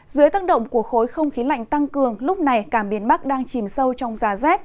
dưới tác động của khối không khí lạnh tăng cường lúc này cả miền bắc đang chìm sâu trong giá rét